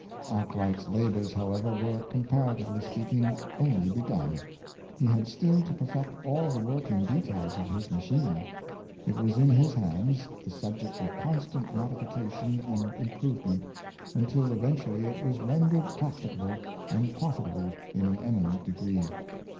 Arkwright's labors, however, were, comparatively speaking, only begun. He had still to perfect all the working details of his machine. It was in his hands the subject of constant modification and improvement, until eventually it was rendered practicable and profit able in an eminent degree.